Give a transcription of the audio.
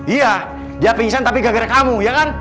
iya dia pingsan tapi gak gara gara kamu ya kan